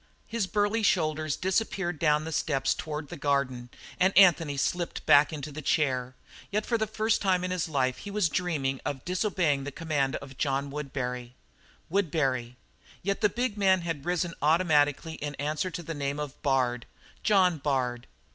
His burly shoulders disappeared down the steps toward the garden, and Anthony slipped back into his chair; yet for the first time in his life he was dreaming of disobeying the command of John Woodbury. Woodbury yet the big man had risen automatically in answer to the name of Bard. John Bard!